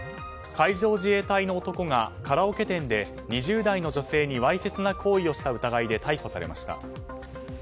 海上自衛隊の男がカラオケ店で２０代の女性にわいせつな行為をした疑いで逮捕されました。